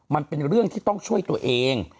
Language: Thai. มันเป็นเรื่องที่ต้องช่วยตัวเอง